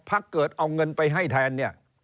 ถ้าเกิดเอาเงินไปให้แทนเนี่ย